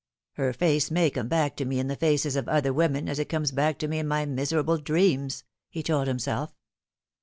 " Her face may come back to me in the faces of other women 148 Th Fatal Three. as it comes back to me in my miserable dreams," he told himself.